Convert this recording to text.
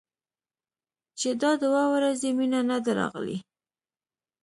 چې دا دوه ورځې مينه نه ده راغلې.